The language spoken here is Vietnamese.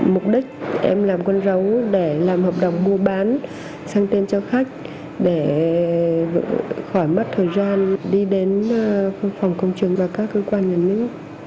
mục đích em làm con dấu để làm hợp đồng mua bán sang tên cho khách để khỏi mất thời gian đi đến phòng công trường và các cơ quan nhà nước